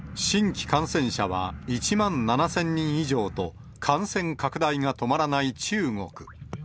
新規感染者は１万７０００人以上と、感染拡大が止まらない中国。